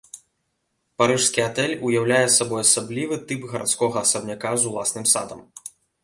Парыжскі атэль уяўляе сабой асаблівы тып гарадскога асабняка з уласным садам.